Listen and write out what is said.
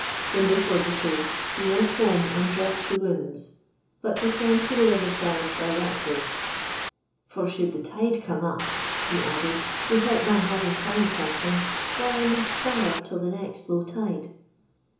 When this was the case, he went home and dressed the wounds, but returned to the rirer side directly, "for should the tide come up," he added, " without my having found something, why I must starve till next low tide."